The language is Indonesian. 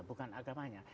bukan agama a